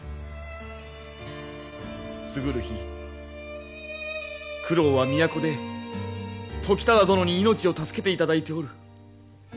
過ぐる日九郎は都で時忠殿に命を助けていただいておる。